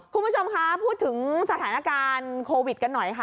คุณผู้ชมคะพูดถึงสถานการณ์โควิดกันหน่อยค่ะ